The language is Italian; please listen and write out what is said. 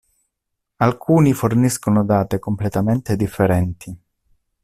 Alcuni forniscono date completamente differenti.